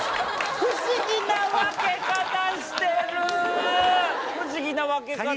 不思議な分け方してる不思議な分け方してるよ